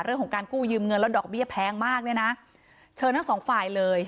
เรื่องของการกู้ยืมเงินแล้วดอกเบี้ยแพงมากเนี่ยนะเชิญทั้งสองฝ่ายเลย